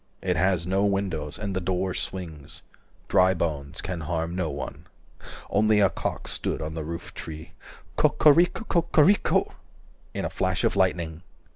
It has no windows, and the door swings, Dry bones can harm no one. 390 Only a cock stood on the roof tree Co co rico co co rico In a flash of lightning.